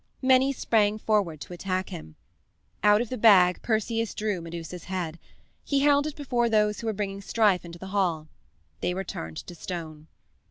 Many sprang forward to attack him. Out of the bag Perseus drew Medusa's head. He held it before those who were bringing strife into the hall. They were turned to stone.